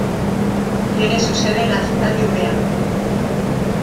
Tiene su sede en la ciudad de Umeå.